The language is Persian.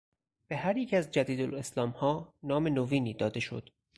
به هریک از جدیدالسلامها نام نوینی داده شد.